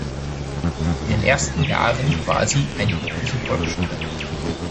In den ersten Jahren war sie eine übliche Volksschule.